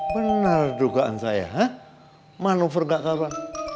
benar dugaan saya manuver gak kapan